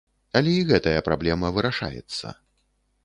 Але і гэтая праблема вырашаецца.